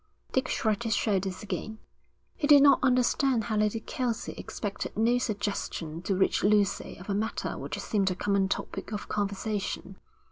Dick shrugged his shoulders again. He did not understand how Lady Kelsey expected no suggestion to reach Lucy of a matter which seemed a common topic of conversation.